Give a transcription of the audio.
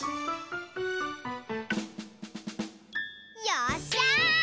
よっしゃ！